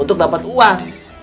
untuk dapat uang